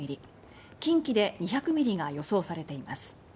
近畿で２００ミリが予想されています。